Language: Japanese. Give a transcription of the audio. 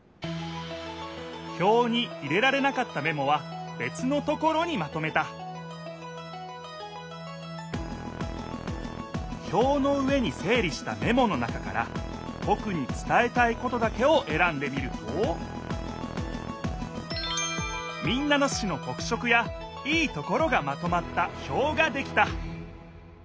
ひょうに入れられなかったメモはべつのところにまとめたひょうの上に整理したメモの中からとくにつたえたいことだけをえらんでみると民奈野市のとく色やいいところがまとまったひょうができた！